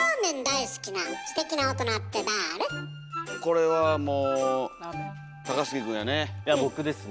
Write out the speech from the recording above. これはもう高杉くんやね。